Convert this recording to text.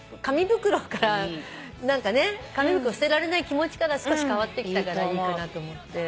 紙袋捨てられない気持ちから少し変わってきたからいいかなと思って。